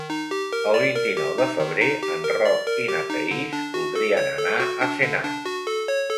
El vint-i-nou de febrer en Roc i na Thaís voldrien anar a Senan.